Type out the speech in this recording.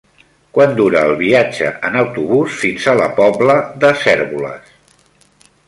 Quant dura el viatge en autobús fins a la Pobla de Cérvoles?